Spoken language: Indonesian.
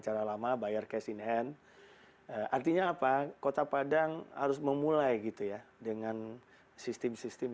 cara lama bayar cash in hand artinya apa kota padang harus memulai gitu ya dengan sistem sistem